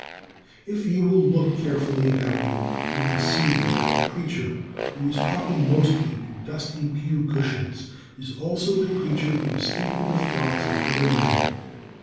If you will look carefully about you, you will see that the preacher, who is talking mostly to dusty pew cushions, is also the preacher who is thinking the thoughts of other men.